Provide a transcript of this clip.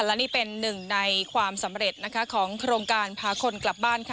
และนี่เป็นหนึ่งในความสำเร็จนะคะของโครงการพาคนกลับบ้านค่ะ